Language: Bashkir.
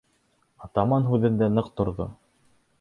Атаман һүҙендә ныҡ торҙо: